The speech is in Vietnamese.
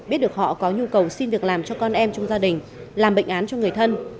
biết được họ có nhu cầu xin việc làm cho con em trong gia đình làm bệnh án cho người thân